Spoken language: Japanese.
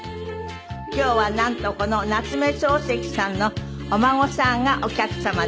今日はなんとこの夏目漱石さんのお孫さんがお客様です。